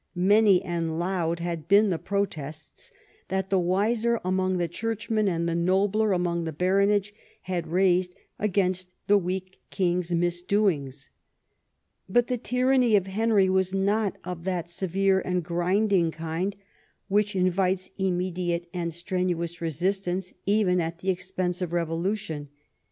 Many and loud had been the protests that the wiser among the churchmen and the nobler among the baronage had raised against the weak king's misdoings. But the tyranny of Henry was not of that severe and grinding kind which invites immediate and strenuous resistance even at the expense of revolution.